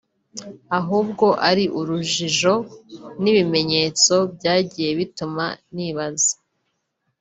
ahubwo ari urujijo n’ibimenyetso byagiye bituma nibaza